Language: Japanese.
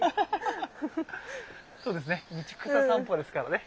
そうですね道草さんぽですからね。